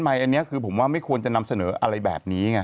ทำไมอันนี้คือผมว่าไม่ควรจะนำเสนออะไรแบบนี้ไง